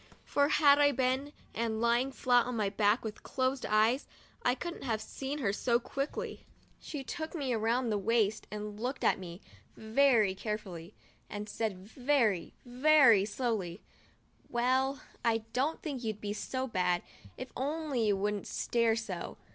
for had I been, and lying flat on my back with closed eyes, I couldn't have seen her so quickly. 15 THE DIARY OF A BIRTHDAY DOLL She took me around the waist and looked at me very carefully, and said very, very slowly: "Well, I don't think you'd be so bad, if only you wouldn't stare so.